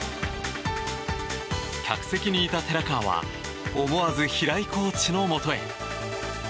客席にいた寺川は思わず平井コーチのもとへ。